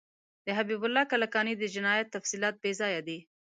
د حبیب الله کلکاني د جنایاتو تفصیلات بیځایه دي.